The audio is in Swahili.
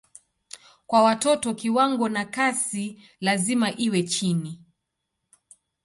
Kwa watoto kiwango na kasi lazima iwe chini.